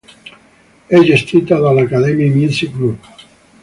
È gestita dall' Academy Music Group.